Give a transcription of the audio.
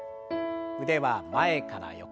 腕は前から横。